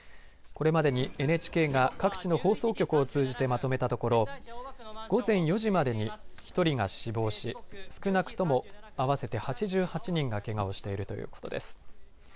これまでにＮＨＫが各地の放送局を通じてまとめたところ午前４時までに１人が死亡し少なくとも合わせて８８人がけがをしているということです。